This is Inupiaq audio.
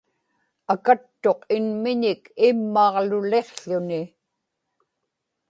akattuq ilimiñik immaġluliqł̣uni